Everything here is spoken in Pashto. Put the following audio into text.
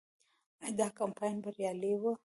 آیا دا کمپاین بریالی و؟